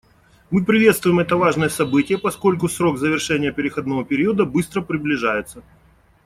Мы приветствуем это важное событие, поскольку срок завершения переходного периода быстро приближается.